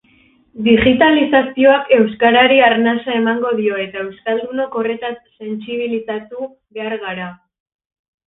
Digitalizazioak euskarari arnasa emango dio eta euskaldunok horretaz sentsibilizatu behar gara.